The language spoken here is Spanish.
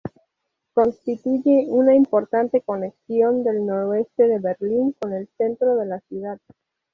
Constituye una importante conexión del noreste de Berlín con el centro de la ciudad.